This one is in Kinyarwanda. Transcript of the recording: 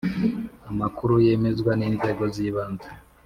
amakuru yemezwa n’inzego z’ibanze